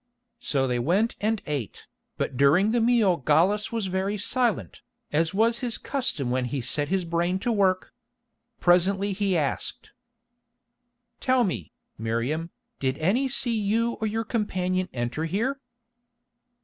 So they went and ate, but during that meal Gallus was very silent, as was his custom when he set his brain to work. Presently he asked: "Tell me, Miriam, did any see you or your companion enter here?"